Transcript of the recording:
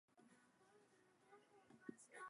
The inspiration for this song comes from this speech.